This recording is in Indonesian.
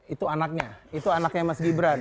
itu anaknya itu anaknya mas gibran